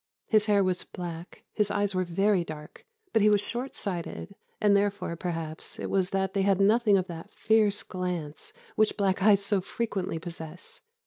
His hair was black; his eyes were very dark, but he was short sighted, and therefore, perhaps, it was that they had nothing of that fierce glance which black eyes so frequently possess.